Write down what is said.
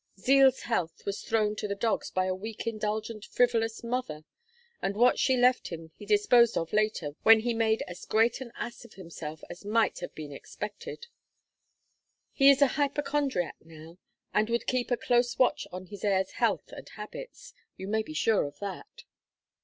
Zeal's health was thrown to the dogs by a weak indulgent frivolous mother, and what she left him he disposed of later when he made as great an ass of himself as might have been expected. He is a hypochondriac now and would keep a close watch on his heir's health and habits; you may be sure of that.